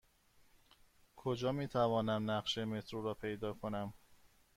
کجا می توانم نقشه مترو پیدا کنم؟